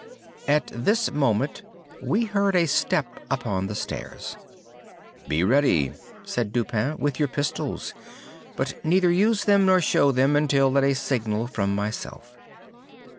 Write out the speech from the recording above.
'" At this moment we heard a step upon the stairs. "Be ready," said Dupin, "with your pistols, but neither use them nor show them until at a signal from myself."